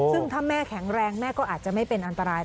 ซึ่งถ้าแม่แข็งแรงแม่ก็อาจจะไม่เป็นอันตราย